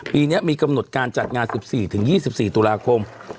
ปีนี้มีกำหนดการจัดงาน๑๔๒๔ตุลาคม